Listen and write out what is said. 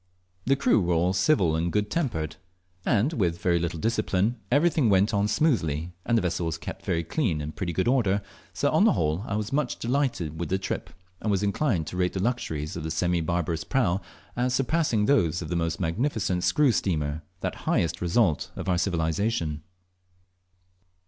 The crew were all civil and good tempered, and with very little discipline everything went on smoothly, and the vessel was kept very clean and in pretty good order, so that on the whole I was much delighted with the trip, and was inclined to rate the luxuries of the semi barbarous prau as surpassing those of the most magnificent screw steamer, that highest result of our civilisation.